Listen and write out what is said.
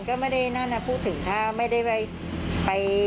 ก็ไม่ได้นั่นพูดถึงถ้าไม่ได้ไป